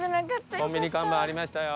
コンビニ看板ありましたよ。